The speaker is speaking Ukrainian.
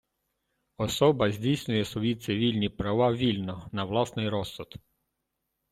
Особа здійснює свої цивільні права вільно, на власний розсуд.